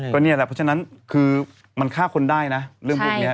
ก็นี่แหละเพราะฉะนั้นคือมันฆ่าคนได้นะเรื่องพวกนี้